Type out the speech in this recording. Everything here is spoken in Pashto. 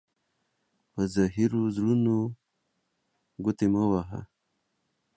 په زهيرو زړونو گوتي مه وهه.